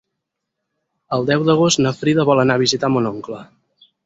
El deu d'agost na Frida vol anar a visitar mon oncle.